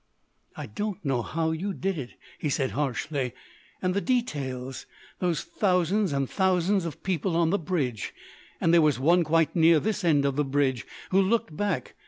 "I don't know how you did it," he said harshly. "And the details—those thousands and thousands of people on the bridge!... And there was one, quite near this end of the bridge, who looked back....